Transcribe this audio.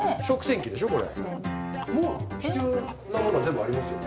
もう必要なものは全部ありますよね。